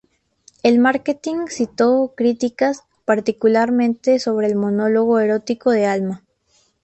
El marketing citó críticas, particularmente sobre el monólogo erótico de Alma.